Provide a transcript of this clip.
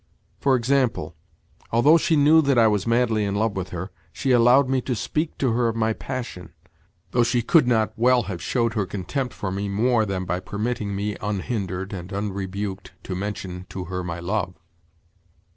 For example, although she knew that I was madly in love with her, she allowed me to speak to her of my passion (though she could not well have showed her contempt for me more than by permitting me, unhindered and unrebuked, to mention to her my love).